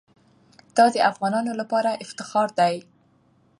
دا د افغانانو لپاره افتخار دی.